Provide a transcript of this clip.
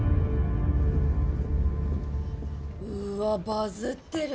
・うわバズってる。